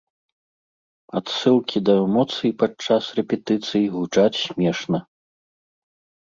Адсылкі да эмоцый падчас рэпетыцый гучаць смешна.